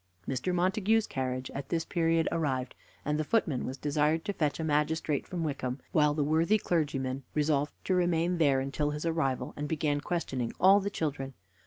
Mr. Montague's carriage at this period arrived, and the footman was desired to fetch a magistrate from Wycombe, while the worthy clergyman resolved to remain there until his arrival, and began questioning all the children.